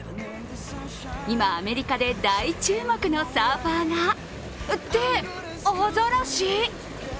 今、アメリカで大注目のサーファーがってアザラシ？